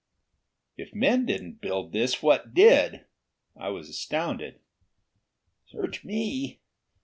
"If men didn't build this, what did?" I was astounded. "Search me!